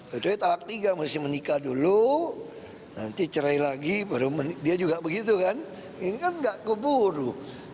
jadi talak tiga mesti menikah dulu nanti cerai lagi dia juga begitu kan ini kan gak keburu